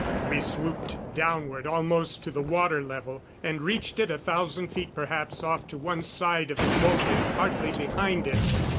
We swooped downward almost to the water level, and reached it a thousand feet perhaps off to one side of the boat and partly behind it.